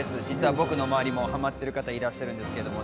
実は僕の周りもハマってる方いらっしゃいます。